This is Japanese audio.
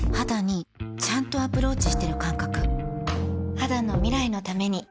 肌の未来のために